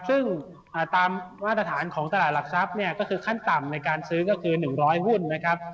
ซึ่งตามมาตรฐานของตลาดหลักทรัพย์เนี่ยก็คือขั้นต่ำในการซื้อก็คือ๑๐๐หุ้นนะครับ